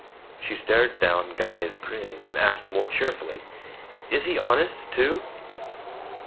She stared down Guy's grin, and asked more cheerfully, "Is he honest, too?"